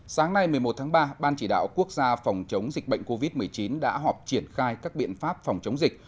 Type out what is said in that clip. sáng nay một mươi một tháng ba ban chỉ đạo quốc gia phòng chống dịch bệnh covid một mươi chín đã họp triển khai các biện pháp phòng chống dịch